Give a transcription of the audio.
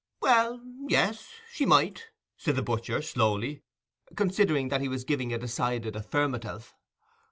"Well; yes—she might," said the butcher, slowly, considering that he was giving a decided affirmative.